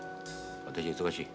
私は忙しい。